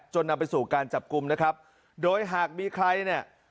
นำไปสู่การจับกลุ่มนะครับโดยหากมีใครเนี่ย